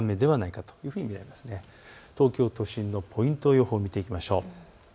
東京都心のポイント予報、見ていきましょう。